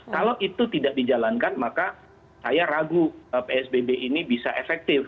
kalau itu tidak dijalankan maka saya ragu psbb ini bisa efektif